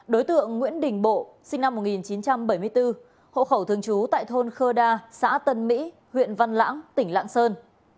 đối tượng nguyễn đình bộ sinh năm một nghìn chín trăm bảy mươi bốn hộ khẩu thường trú tại thôn khơ đa xã tân mỹ huyện văn lãng tỉnh lạng sơn